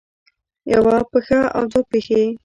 يوه پښه او دوه پښې